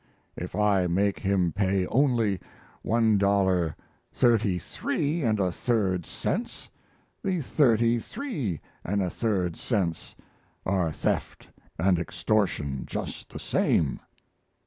If I make him pay only one dollar thirty three and a third cents the thirty three and a third cents are "theft and extortion," just the same.